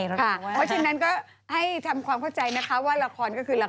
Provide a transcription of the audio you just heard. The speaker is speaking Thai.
เพราะฉะนั้นก็ให้ทำความเข้าใจนะคะว่าละครก็คือละคร